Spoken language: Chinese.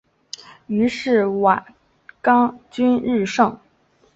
于是瓦岗军日盛。